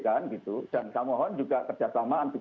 dan saya mohon juga kerjasama